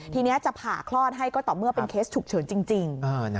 ทีนี้จะผ่าคลอดให้ก็ต่อเมื่อเป็นเคสฉุกเฉินจริง